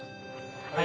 はい。